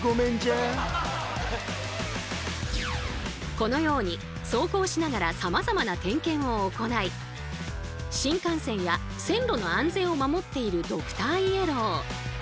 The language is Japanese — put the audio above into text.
このように走行しながらさまざまな点検を行い新幹線や線路の安全を守っているドクターイエロー。